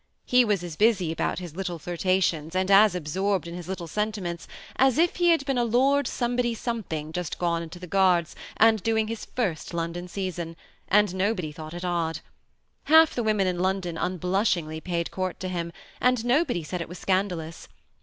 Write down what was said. He was as busy about his little flirtations, and as absorbed in his little sentiments, as if he had been a Lord Somebody Some thing just gone into the Guards, and doing his first London season, and nobody thought it odd. Half the women in London unblushingly paid court to him, and nobody said it was scandalous.